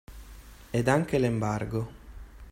Ed anche l’embargo.